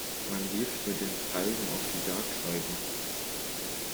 Man wirft mit den Pfeilen auf die Dartscheibe.